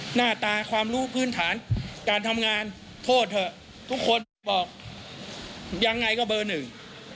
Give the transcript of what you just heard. หน้าตาความรู้พื้นฐานการทำงานโทษเถอะทุกคนบอกยังไงก็เบอร์หนึ่ง